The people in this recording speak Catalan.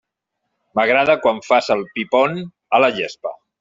M'agrada quan fas el pi pont a la gespa.